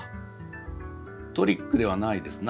トリックではないですな。